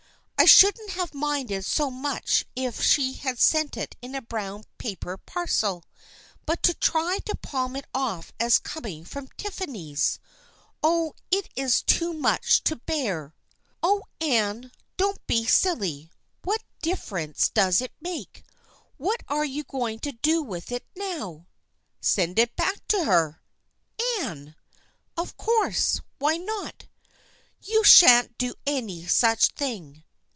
I shouldn't have minded so much if she had sent it in a brown paper parcel, but to try to palm it off as coming from Tiffany's ! Oh, it is too much to bear !"" Oh, Anne, don't be silly I What difference 262 THE FKIENDSHIP OF ANNE does it make ? What are you going to do with it now ?"" Send it back to her." " Anne !"" Of course. Why not ?"" You shan't do any such thing."